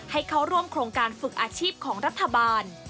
ให้เข้าร่วมโครงการฝึกอาชีพของรัฐบาล